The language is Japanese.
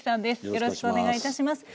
よろしくお願いします。